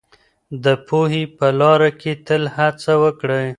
د پوهې په لاره کي تل هڅه وکړئ.